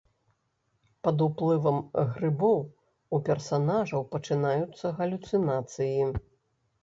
Пад уплывам грыбоў у персанажаў пачынаюцца галюцынацыі.